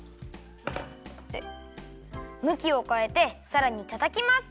でむきをかえてさらにたたきます！